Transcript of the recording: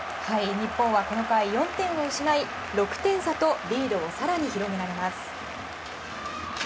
日本はこの回、４点を失い６点差とリードを更に広げられます。